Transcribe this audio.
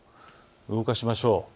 動かしましょう。